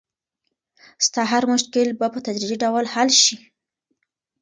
ستا هر مشکل به په تدریجي ډول حل شي.